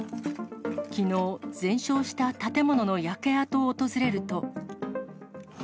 きのう、全焼した建物の焼け跡を訪れると。